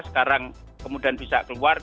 sekarang kemudian bisa keluar